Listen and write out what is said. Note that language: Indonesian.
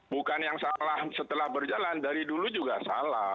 bukan yang salah setelah berjalan dari dulu juga salah